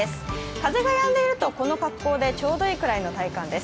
風がやんでいるとこの格好でちょうどいいぐらいの体感です。